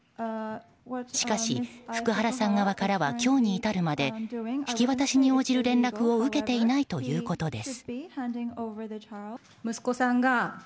しかし、福原さん側からは今日に至るまで引き渡しに応じる連絡を受けていないということです。